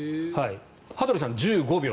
羽鳥さん、１５秒。